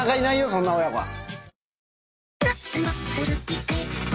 そんな親子は。